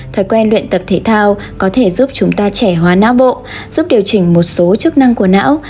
thói quen luyện tập thể thao có thể giúp chúng ta trẻ hóa não bộ giúp điều chỉnh một số chức năng của não